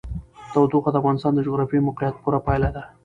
تودوخه د افغانستان د جغرافیایي موقیعت پوره پایله ده.